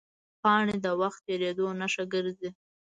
پاڼې د وخت تېرېدو نښه ګرځي